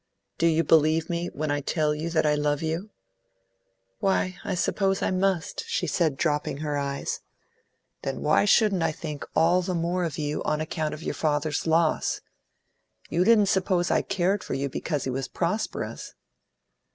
"Do you believe me when I tell you that I love you?" "Why, I suppose I must," she said, dropping her eyes. "Then why shouldn't I think all the more of you on account of your father's loss? You didn't suppose I cared for you because he was prosperous?"